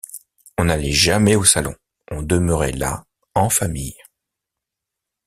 On n’allait jamais au salon, on demeurait là, en famille.